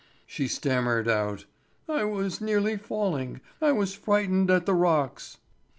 She stammered out: "I was nearly falling; I was frightened at the rocks."